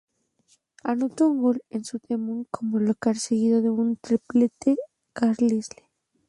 Anotó un gol en su debut como local, seguido de un triplete al Carlisle.